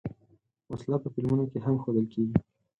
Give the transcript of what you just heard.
وسله په فلمونو کې هم ښودل کېږي